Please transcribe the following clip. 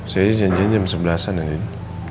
saya janjian jam sebelas an ya din